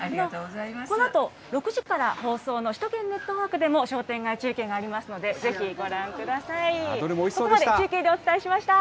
このあと６時から放送の首都圏ネットワークでも、商店街中継がありますので、ぜひ、ご覧くだどれもおいしそうでした。